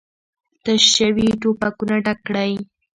تش شوي ټوپکونه ډک کړئ!